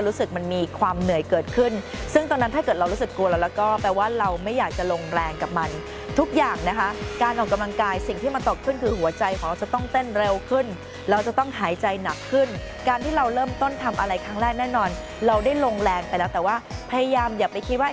แรกแน่นอนเราได้ลงแรงไปแล้วแต่ว่าพยายามอย่าไปคิดว่า